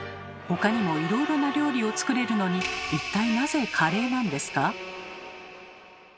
他にもいろいろな料理を作れるのに一体なぜカレーなんですか？